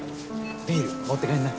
ビール持って帰んな。